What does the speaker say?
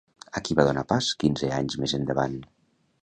A qui va donar pas quinze anys més endavant?